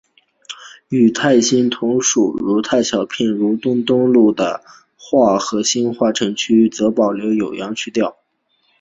与泰兴同属如泰小片的如东东路话和兴化城区则保留有阳去调。